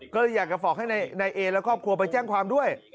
ก็เลยอยากจะฝากให้นายเอและครอบครัวไปแจ้งความด้วย